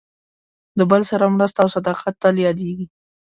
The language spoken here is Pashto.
د بل سره مرسته او صداقت تل یادېږي.